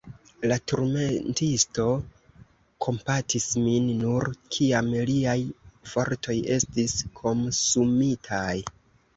La turmentisto kompatis min, nur kiam liaj fortoj estis komsumitaj.